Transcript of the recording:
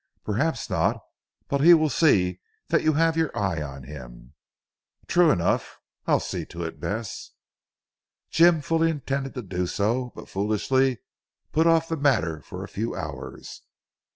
"Perhaps not. But he will see that you have your eye on him." "True enough. I'll see to it, Bess." Jim fully intended to do so, but foolishly put off the matter for a few hours.